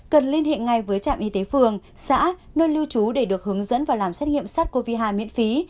cần liên hệ ngay với trạm y tế phường xã nơi lưu trú để được hướng dẫn và làm xét nghiệm sát covid một mươi chín miễn phí